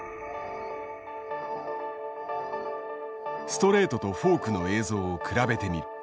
ストレートとフォークの映像を比べてみる。